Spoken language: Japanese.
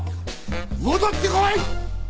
戻ってこい！